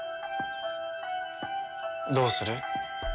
どうする？